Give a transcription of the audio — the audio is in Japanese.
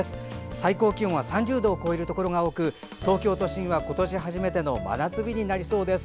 最高気温は３０度を超えるところが多く東京都心は今年初めての真夏日になりそうです。